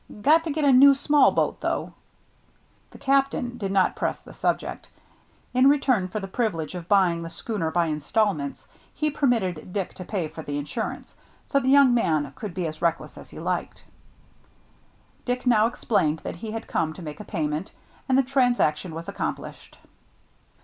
Got to get a new small boat, though." The " Captain " did not press the subject. In return for the privilege of buying the schooner by instalments he permitted Dick to pay for the insurance, so the young man could be as reckless as he liked. THE NEW MATE 51 Dick now explained that he had come to make a payment, and the transaction was accomplished.